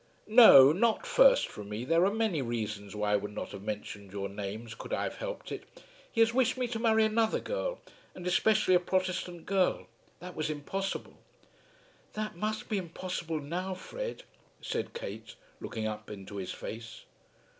"No; not first from me. There are many reasons why I would not have mentioned your names could I have helped it. He has wished me to marry another girl, and especially a Protestant girl. That was impossible." "That must be impossible now, Fred," said Kate, looking up into his face.